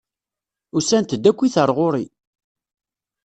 Usant-d akkit ar ɣur-i!